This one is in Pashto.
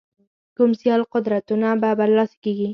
کوم سیال قدرتونه به برلاسي کېږي.